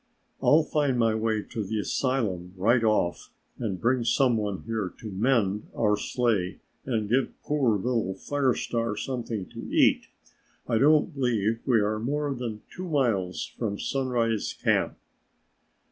"I'll find my way to the asylum right off and bring some one here to mend our sleigh and give poor little Fire Star something to eat. I don't believe we are more than two miles from Sunrise Camp."